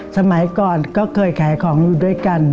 สมัยก่อนก็เคยขายของอยู่ด้วยกัน